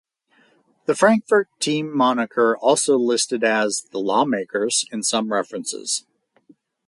The Frankfort team moniker also listed as the "Lawmakers" in some references.